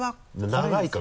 長いから。